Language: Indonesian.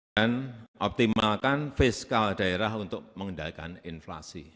dan optimalkan fiskal daerah untuk mengendalikan inflasi